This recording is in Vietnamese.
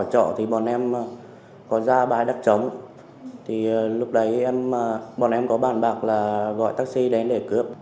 hoàng văn bảo gọi taxi đến để cướp